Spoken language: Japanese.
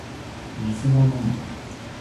水を飲む